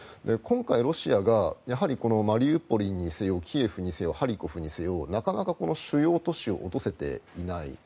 今回、ロシアがマリウポリにせよキエフにせよハリコフにせよなかなか主要都市を落とせていない。